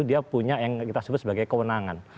dia punya yang kita sebut sebagai kewenangan